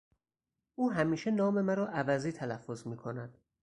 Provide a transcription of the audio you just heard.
او همیشه نام مرا عوضی تلفظ میکند.